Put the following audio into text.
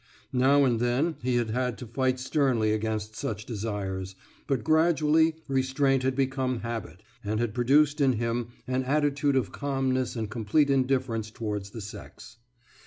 Now and then he had had to fight sternly against such desires, but gradually restraint had become habit, and had produced in him an attitude of calmness and complete indifference towards the sex.